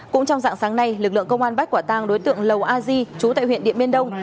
cũng trong dạng sáng nay lực lượng công an bắt quả tang đối tượng lầu a di trú tại huyện điện biên đông